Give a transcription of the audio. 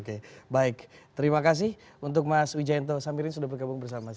oke baik terima kasih untuk mas wijayanto samirin sudah bergabung bersama saya